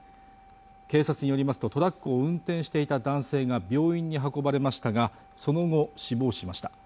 警察によりますとトラックを運転していた男性が病院に運ばれましたがその後死亡しました。